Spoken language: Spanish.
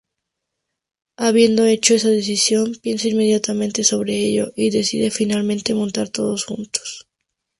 Habiendo hecho esa decisión, piensa inmediatamente sobre ello y decide finalmente montar todos juntos.